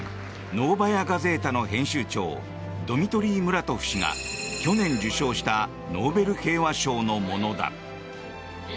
ノーバヤ・ガゼータの編集長ドミトリー・ムラトフ氏が去年受賞したノーベル平和賞のものだ。